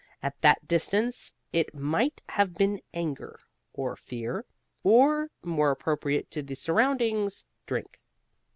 At that distance it might have been anger, or fear, or (more appropriate to the surroundings) drink.